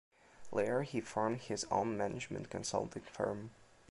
Later, he formed his own management consulting firm.